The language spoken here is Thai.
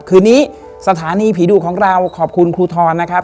คืนนี้สถานีผีดุของเราขอบคุณครูทรนะครับ